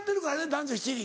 『男女７人』。